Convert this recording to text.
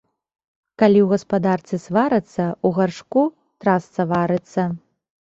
Калі ў гаспадарцы сварацца, у гаршку трасца варыцца.